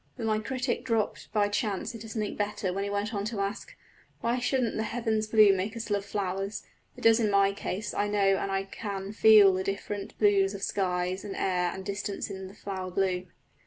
But my critic dropped by chance into something better, when he went on to ask, "Why shouldn't the heaven's blue make us love flowers? It does in my case I know, and I can feel the different blues of skies and air and distance in flower blue."